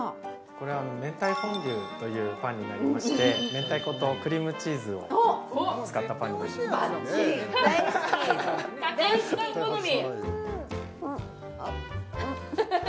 これはメンタイフォンデュというパンになりまして明太子とクリームチーズを使ったパンになります竹内さん好み！